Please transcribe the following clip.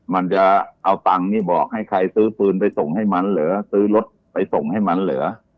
มันจะเอาตังค์นี่บอกให้ใครซื้อปืนไปส่งให้มันเหรอซื้อรถไปส่งให้มันเหรอ